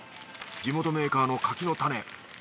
地元メーカーの柿の種。